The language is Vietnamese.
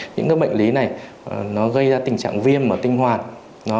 những bệnh lý này gây ra tình trạng viêm tinh hoàn